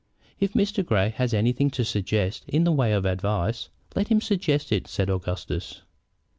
"If Mr. Grey has anything to suggest in the way of advice, let him suggest it," said Augustus.